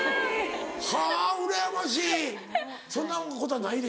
はぁうらやましいそんなことはないでしょ？